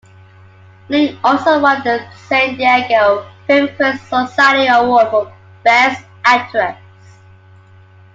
Ling also won the San Diego Film Critics Society Award for Best Actress.